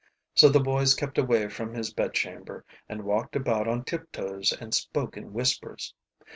So the boys kept away from his bed chamber and walked about on tiptoes and spoke in whispers.